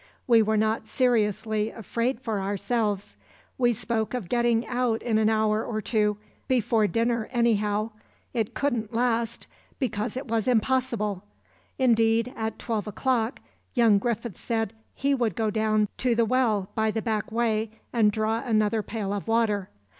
We were not seriously afraid for ourselves. We spoke of getting out in an hour or two, before dinner anyhow. It couldn't last, because it was impossible. Indeed, at twelve o'clock young Griffith said he would go down to the well by the back way and draw another pail of water.